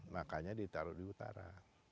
makanya ditaruh di utara